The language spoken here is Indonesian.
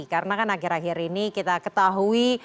karena kan akhir akhir ini kita ketahui